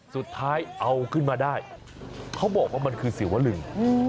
สุดท้ายเอาขึ้นมาได้เขาบอกว่ามันคือศิวลึง